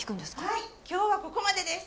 はい今日はここまでです。